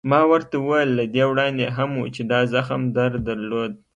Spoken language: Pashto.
ما ورته وویل: له دې وړاندې هم و، چې دا زخم در درلود؟